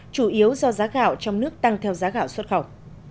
chủ yếu do giá gạo trong nước tăng theo giá gạo xuất khẩu